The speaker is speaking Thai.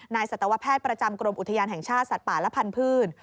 สัตวแพทย์ประจำกรมอุทยานแห่งชาติสัตว์ป่าและพันธุ์